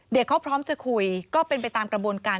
เขาพร้อมจะคุยก็เป็นไปตามกระบวนการ